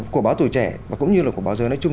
của báo tuổi trẻ và cũng như là của báo giới nói chung